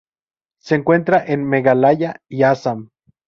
Se encuentra en Meghalaya y Assam.